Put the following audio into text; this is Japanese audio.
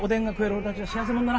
俺たちは幸せ者だな。